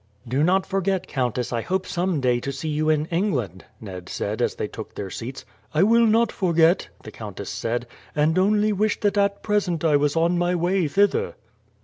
"Do not forget, countess, I hope some day to see you in England," Ned said as they took their seats. "I will not forget," the countess said; "and only wish that at present I was on my way thither."